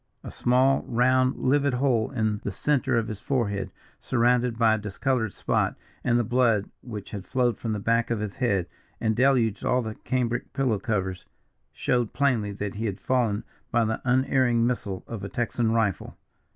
A small, round, livid hole in the centre of his forehead, surrounded by a discoloured spot, and the blood which had flowed from the back of his head and deluged all the cambric pillow covers, showed plainly that he had fallen by the unerring missile of a Texan rifle.